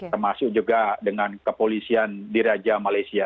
dan juga dengan kepolisian di raja malaysia